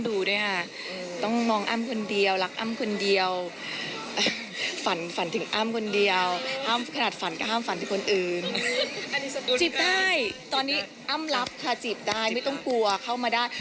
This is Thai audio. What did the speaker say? จีบได้ตอนนี้อ้ำรับค่ะจีบได้ไม่ต้องกลัวเข้ามาได้